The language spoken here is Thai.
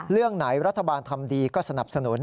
เรื่องไหนรัฐบาลทำดีก็สนับสนุน